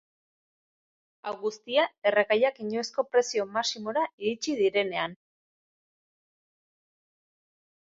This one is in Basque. Hau guztia erregaiak inoizko prezio maximora iritsi direnean.